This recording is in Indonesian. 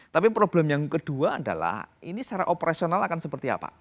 tapi problem yang kedua adalah ini secara operasional akan seperti apa